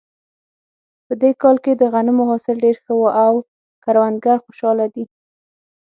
په دې کال کې د غنمو حاصل ډېر ښه و او کروندګر خوشحاله دي